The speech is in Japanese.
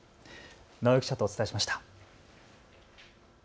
直井記者とお伝えしました。